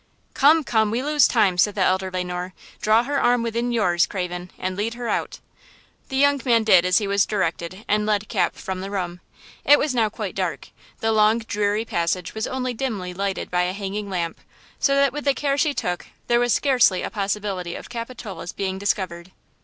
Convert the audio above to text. "Come, come! we lose time!" said the elder Le Noir. "Draw her arm within yours, Craven, and lead her out." The young man did as he was directed and led Cap from the room. It was now quite dark–the long, dreary passage was only dimly lighted by a hanging lamp, so that with the care she took there was scarcely a possibility of Capitola's being discovered.